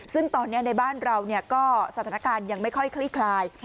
ซึ่งตอนนี้ในบ้านเราก็สถานการณ์ยังไม่ค่อยคลี่คลาย